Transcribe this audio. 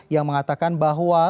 yang mengatakan bahwa